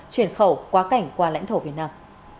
chuyển khẩu qua cảnh qua lãnh thổ việt nam